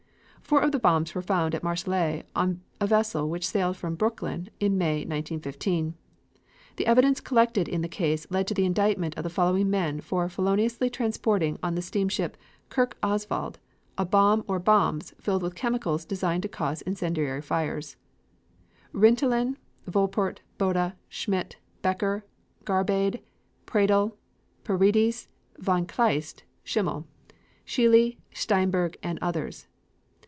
Four of the bombs were found at Marseilles on a vessel which sailed from Brooklyn in May, 1915. The evidence collected in the case led to the indictment of the following men for feloniously transporting on the steamship Kirk Oswald a bomb or bombs filled with chemicals designed to cause incendiary fires: Rintelen, Wolpert, Bode, Schmidt, Becker, Garbade, Praedel, Paradies, von Kleist, Schimmel, Scheele, Steinberg and others.